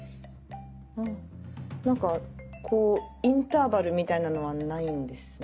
何かこうインターバルみたいなのはないんですね？